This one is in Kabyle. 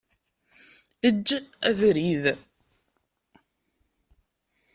Eǧǧ abrid.